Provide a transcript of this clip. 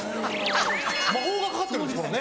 魔法がかかってるんですもんね。